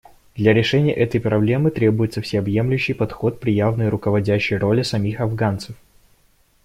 Для решения этой проблемы требуется всеобъемлющий подход при явной руководящей роли самих афганцев.